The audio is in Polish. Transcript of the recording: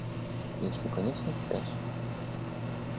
— Jeśli koniecznie chcesz.